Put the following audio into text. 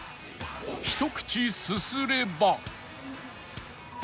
ひと口すすれば